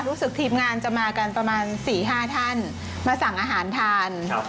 ทีมงานจะมากันประมาณ๔๕ท่านมาสั่งอาหารทาน